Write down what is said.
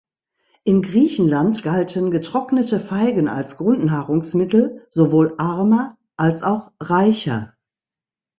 In Griechenland galten getrocknete Feigen als Grundnahrungsmittel sowohl Armer als auch Reicher.